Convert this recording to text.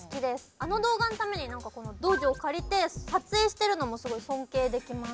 あの動画のために何か道場借りて撮影してるのもすごい尊敬できます。